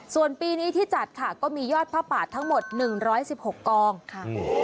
ส่วนปีนี้ที่จัดค่ะก็มียอดผ้าป่าทั้งหมดหนึ่งร้อยสิบหกกองค่ะ